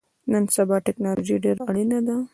نن سبا ټکنالوژی ډیره اړینه ده